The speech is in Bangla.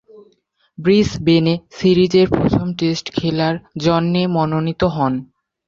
ব্রিসবেনে সিরিজের প্রথম টেস্ট খেলার জন্যে মনোনীত হন।